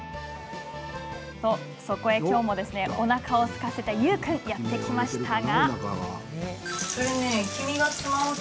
そこへ、きょうもおなかをすかせたゆう君がやって来ましたが。